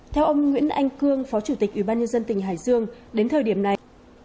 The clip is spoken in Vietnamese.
theo ông nguyễn anh cương phó chủ tịch ủy ban nhân dân tỉnh hải dương đến thời điểm này